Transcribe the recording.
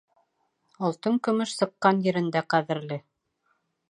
Алтын-көмөш сыҡҡан ерендә ҡәҙерле.